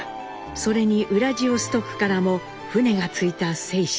それにウラジオストックからも船が着いた清津。